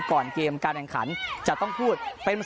ก่อนเกมการแรงขันจะต้องพูด